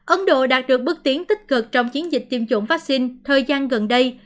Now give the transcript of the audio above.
ấn độ đạt được bước tiến tích cực trong chiến dịch tiêm chủng vaccine thời gian gần đây